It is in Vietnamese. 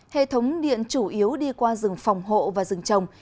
hệ thống điện chủ yếu đi qua rừng phòng hộ và rừng trồng